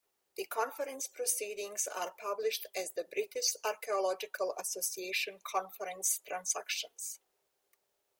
The conference proceedings are published as the "British Archaeological Association Conference Transactions".